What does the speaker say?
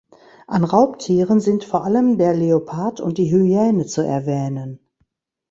An Raubtieren sind vor allem der Leopard und die Hyäne zu erwähnen.